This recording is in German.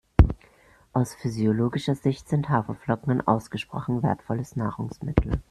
Aus physiologischer Sicht sind Haferflocken ein ausgesprochen wertvolles Nahrungsmittel.